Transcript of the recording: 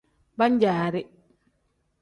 Pan-jaari.